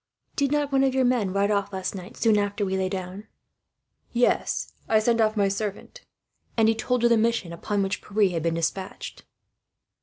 "Did not one of your men ride off, last night, soon after we lay down?" "Yes, I sent off my servant." And he told her the mission upon which Pierre had been despatched.